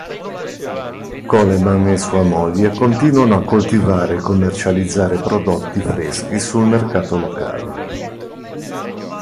Coleman e sua moglie continuano a coltivare e commercializzare prodotti freschi sul mercato locale.